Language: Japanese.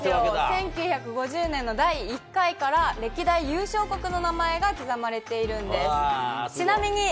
１９５０年の第１回から、歴代優勝国の名前が刻まれているんです。